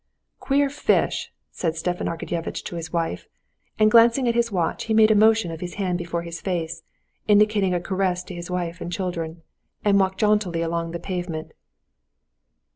"Queer fish!" said Stepan Arkadyevitch to his wife, and glancing at his watch, he made a motion of his hand before his face, indicating a caress to his wife and children, and walked jauntily along the pavement.